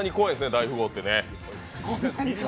「大富豪」ってね。